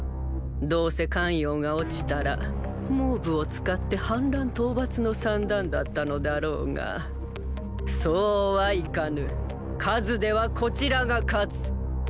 どうせ咸陽が落ちたら蒙武を使って反乱討伐の算段だったのだろうがそうはいかぬ数ではこちらが勝つ！